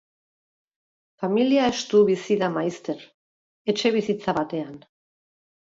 Familia estu bizi da maizter, etxebizitza batean.